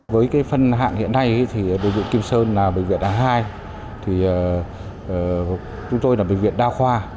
với phân hạng hiện nay thì bệnh viện kim sơn là bệnh viện a hai thì chúng tôi là bệnh viện đa khoa